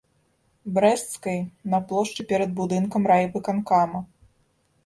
Брэсцкай, на плошчы перад будынкам райвыканкама.